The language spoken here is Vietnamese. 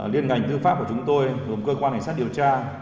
liên ngành tư pháp của chúng tôi gồm cơ quan cảnh sát điều tra